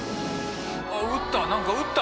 あっ撃った。